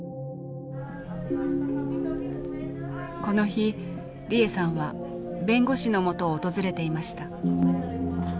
この日利枝さんは弁護士のもとを訪れていました。